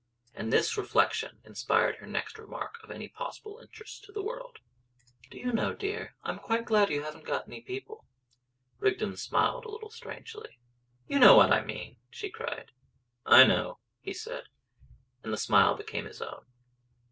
And this reflection inspired her next remark of any possible interest to the world. "Do you know, dear, I'm quite glad you haven't got any people?" Rigden smiled a little strangely. "You know what I mean!" she cried. "I know," he said. And the smile became his own.